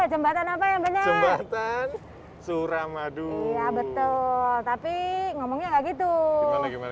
jembatan apa yang banyak suramadu betul tapi ngomongnya gitu jembatan suramadu